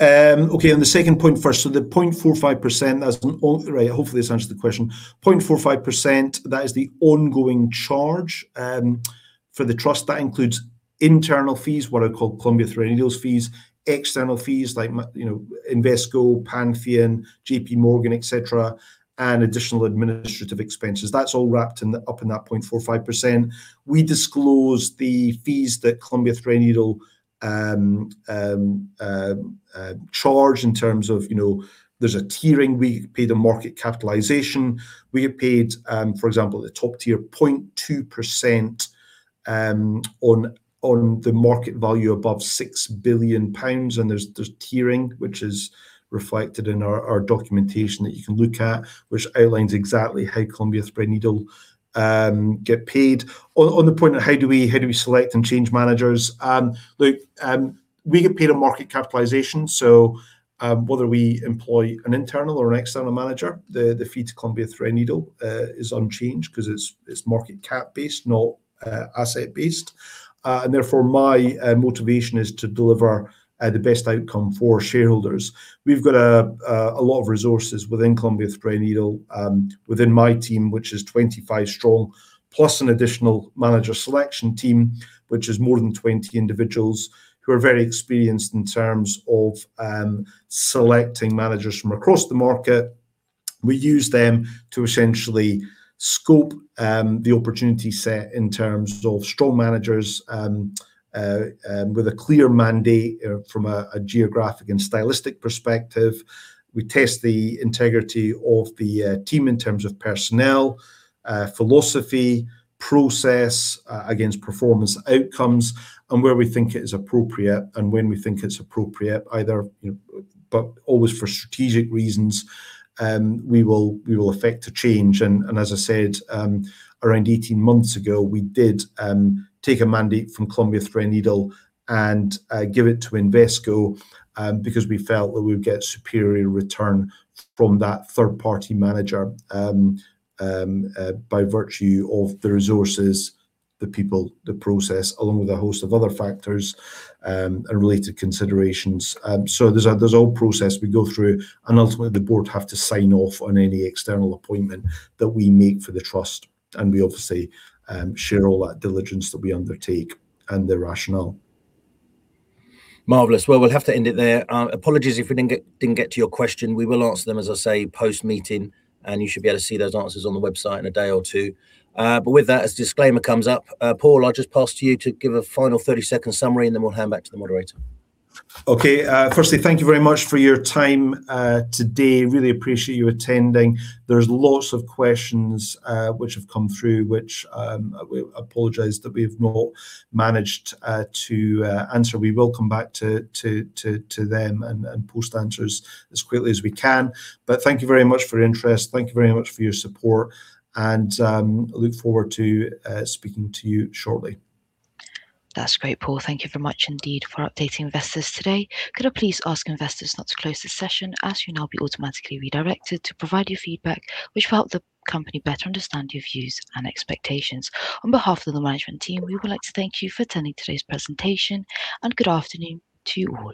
[SPEAKER 2] On the second point first, the 0.45%, that's an Right, hopefully, this answers the question. 0.45%, that is the ongoing charge for the trust. That includes internal fees, what are called Columbia Threadneedle's fees, external fees like Invesco, Pantheon, JPMorgan, et cetera, and additional administrative expenses. That's all wrapped up in that 0.45%. We disclose the fees that Columbia Threadneedle charge in terms of, there's a tiering. We get paid a market capitalization. We get paid, for example, the top tier 0.2% on the market value above 6 billion pounds, and there's tiering, which is reflected in our documentation that you can look at, which outlines exactly how Columbia Threadneedle get paid. On the point of how do we select and change managers, look, we get paid a market capitalization, so whether we employ an internal or an external manager, the fee to Columbia Threadneedle is unchanged because it's market cap based, not asset based. Therefore, my motivation is to deliver the best outcome for shareholders. We've got a lot of resources within Columbia Threadneedle, within my team, which is 25 strong, plus an additional manager selection team, which is more than 20 individuals who are very experienced in terms of selecting managers from across the market. We use them to essentially scope the opportunity set in terms of strong managers with a clear mandate from a geographic and stylistic perspective. We test the integrity of the team in terms of personnel, philosophy, process, against performance outcomes. Where we think it is appropriate and when we think it's appropriate, but always for strategic reasons, we will effect a change. As I said, around 18 months ago, we did take a mandate from Columbia Threadneedle and give it to Invesco because we felt that we would get superior return from that third-party manager by virtue of the resources, the people, the process, along with a host of other factors and related considerations. There's a whole process we go through, and ultimately the board have to sign off on any external appointment that we make for the trust, and we obviously share all that diligence that we undertake and the rationale.
[SPEAKER 3] Marvelous. Well, we'll have to end it there. Apologies if we didn't get to your question. We will answer them, as I say, post-meeting, and you should be able to see those answers on the website in a day or two. With that, as disclaimer comes up, Paul, I'll just pass to you to give a final 30-second summary, and then we'll hand back to the moderator.
[SPEAKER 2] Okay. Firstly, thank you very much for your time today. Really appreciate you attending. There's lots of questions which have come through, which I apologize that we've not managed to answer. We will come back to them and post answers as quickly as we can. Thank you very much for your interest, thank you very much for your support, and look forward to speaking to you shortly.
[SPEAKER 1] That's great, Paul. Thank you very much indeed for updating investors today. Could I please ask investors not to close this session, as you'll now be automatically redirected to provide your feedback, which will help the company better understand your views and expectations. On behalf of the management team, we would like to thank you for attending today's presentation. Good afternoon to you all.